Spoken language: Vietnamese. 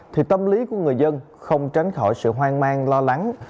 thì tâm lý của người dân không tránh khỏi sự hoang mang lo lắng